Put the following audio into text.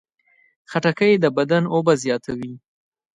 خټکی د بدن اوبه زیاتوي.